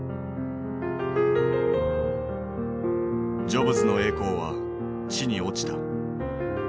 ジョブズの栄光は地に落ちた。